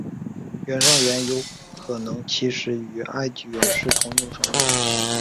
原上猿有可能其实与埃及猿是同一种生物。